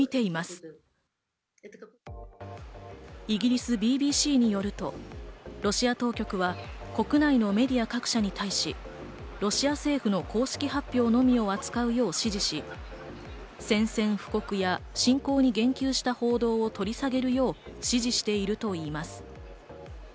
イギリス・ＢＢＣによると、ロシア当局は国内のメディア各社に対し、ロシア政府の公式発表のみを扱うよう指示し、宣戦布告や侵攻に言及した報道を取り下げるよう指示しているといいます。